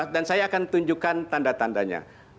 dan saya akan tunjukkan tanda tandanya